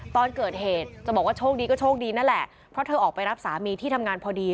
ตอนเกิดเหตุจะบอกว่าโชคดีก็โชคดีนั่นแหละเพราะเธอออกไปรับสามีที่ทำงานพอดี